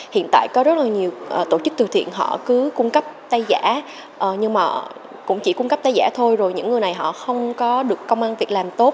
hiện tại có rất là nhiều tổ chức từ thiện họ cứ cung cấp tay giả nhưng mà cũng chỉ cung cấp tay giả thôi rồi những người này họ không có được công an việc làm tốt